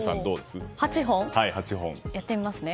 ８本？やってみますね。